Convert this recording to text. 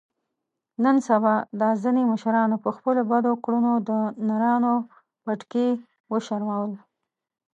نن سبا دا ځنې مشرانو په خپلو بدو کړنو د نرانو پټکي و شرمول.